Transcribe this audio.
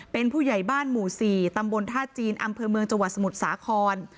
เป็นผู้ใหญ่บ้านหมู่๔ตำบลท่าจีนอำเภอเมืองจังหวัดสมุทรสาคร